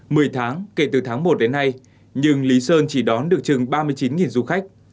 mười tháng kể từ tháng một đến nay nhưng lý sơn chỉ đón được chừng ba mươi chín du khách